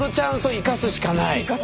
生かすしかない。